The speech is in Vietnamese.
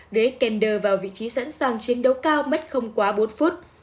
để iskander vào vị trí sẵn sàng chiến đấu cao mất không quá bốn phút